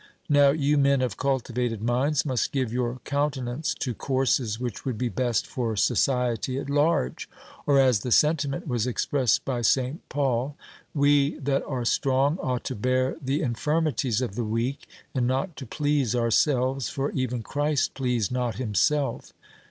Now, you men of cultivated minds must give your countenance to courses which would be best for society at large, or, as the sentiment was expressed by St. Paul, 'We that are strong ought to bear the infirmities of the weak, and not to please ourselves, for even Christ pleased not himself.'